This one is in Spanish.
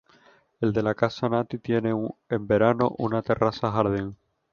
El de Casa Nati tiene, en verano, una terraza-jardín.